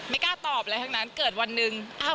กล้าตอบอะไรทั้งนั้นเกิดวันหนึ่ง